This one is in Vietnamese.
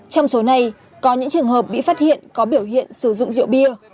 trong số này có những trường hợp bị phát hiện có biểu hiện sử dụng rượu bia